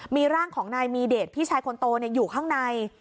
มีร่างของนายมีเดชพี่ชายคนโตอยู่ข้างใน